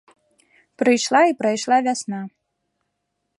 Прыйшла і прайшла вясна.